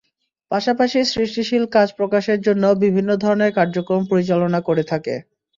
পাশাপাশি সৃষ্টিশীল কাজ প্রকাশের জন্য বিভিন্ন ধরনের কার্যক্রম পরিচালনা করে থাকে।